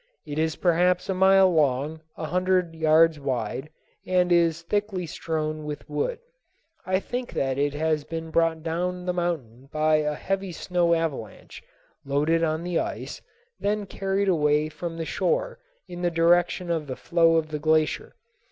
It is perhaps a mile long, a hundred yards wide, and is thickly strewn with wood. I think that it has been brought down the mountain by a heavy snow avalanche, loaded on the ice, then carried away from the shore in the direction of the flow of the glacier.